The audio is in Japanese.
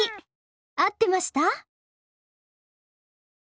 合ってました？